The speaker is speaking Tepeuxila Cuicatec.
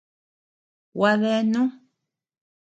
Gua deanu.